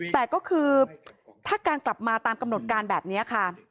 แต่ก็คือถ้าการกลับมาตามกำหนดการแบบนี้ค่ะ